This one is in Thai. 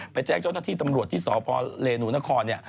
แจ้งเจ้าหน้าที่ตำรวจที่สพเรนูนครเนี่ย